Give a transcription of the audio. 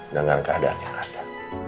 dengan keadaan yang ada